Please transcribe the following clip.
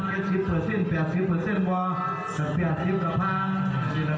แต่มีกฎิกาอยู่ว่าต้องเป็นสาวคนมจรนะครับมารังหน้าไฟ